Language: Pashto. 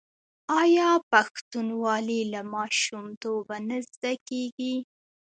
آیا پښتونولي له ماشومتوبه نه زده کیږي؟